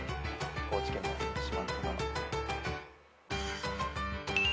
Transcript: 高知県の四万十川。